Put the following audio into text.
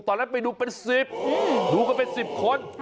ตอนนั้นไปดูเป็น๑๐ดูกันเป็น๑๐คน